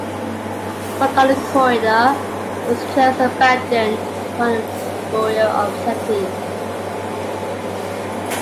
Work on the corridor was just abandoned upon the burial of Seti.